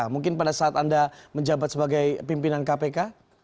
mungkin pada saat anda menjabat sebagai pimpinan kpk